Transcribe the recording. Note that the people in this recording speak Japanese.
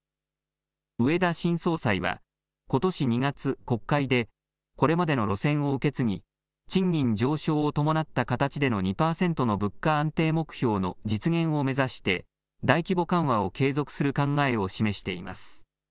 植田新総裁はことし２月、国会でこれまでの路線を受け継ぎ賃金上昇を伴った形での２％の物価安定目標の実現を目指して大規模緩和を継続する考えを示しています。